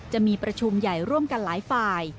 จะมีประชุมใหญ่ร่วมกันหลายฝ่าย